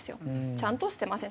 「ちゃんと捨てません。